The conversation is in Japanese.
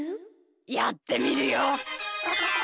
やってみるよ。